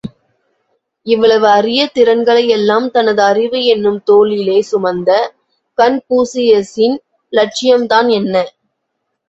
இவ்வளவு அரிய திறன்களை எல்லாம் தனது அறிவு எனும் தோளிலே சுமந்த கன்பூசியசின் லட்சியம் தான் என்ன?